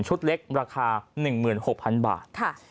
เล็กราคา๑๖๐๐๐บาท